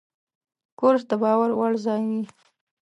کورس د باور وړ ځای وي.